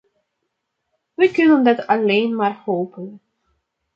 Wij kunnen dat alleen maar hopen.